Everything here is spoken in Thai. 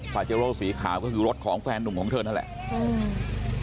เจโร่สีขาวก็คือรถของแฟนหนุ่มของเธอนั่นแหละอืม